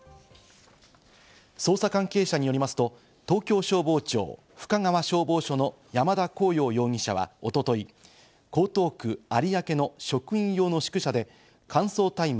捜査関係者によりますと東京消防庁深川消防署の山田虹桜容疑者は、一昨日、江東区有明の職員用の宿舎で乾燥大麻